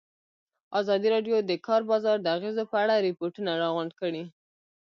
ازادي راډیو د د کار بازار د اغېزو په اړه ریپوټونه راغونډ کړي.